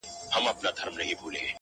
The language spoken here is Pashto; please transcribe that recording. • شیخ لا هم وو په خدمت کي د لوی پیر وو,